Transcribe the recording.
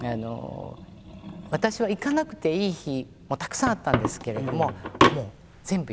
私は行かなくていい日もたくさんあったんですけれどももう全部行っていた。